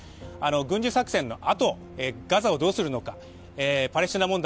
軍事作戦のあとガザをどうするのか、パレスチナ問題